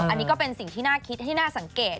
อันนี้ก็เป็นสิ่งที่น่าคิดให้น่าสังเกต